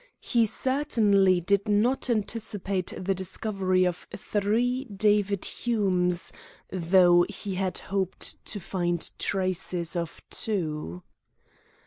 He certainly did not anticipate the discovery of three David Humes, though he had hoped to find traces of two.